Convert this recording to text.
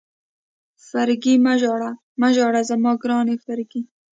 فرګي مه ژاړه، مه ژاړه زما ګرانې فرګي.